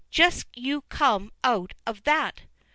Just you come out of that!"